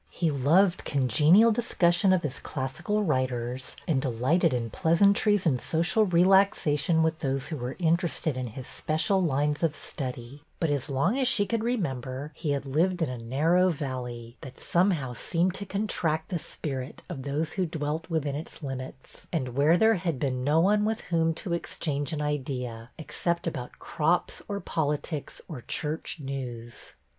He loved congenial discussion of his classical writers, and delighted in pleasantries and social relaxation with those who were in terested in his special lines of study; but as long as she could remember, he had lived in a narrow valley, that somehow seemed to contract the spirit of those who dwelt within its limits, and where there had been no one with whom to exchange an idea, except about crops or politics or church news.